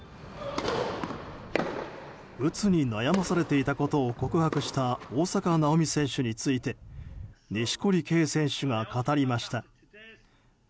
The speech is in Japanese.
うつに悩まされていたことを告白した大坂なおみ選手について錦織圭選手が語りました。